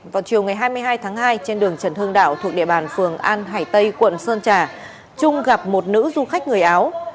vào chiều ngày hai mươi hai tháng hai trên đường trần hương đạo thuộc địa bàn phường an hải tây quận sơn trà trung gặp một nữ du khách người áo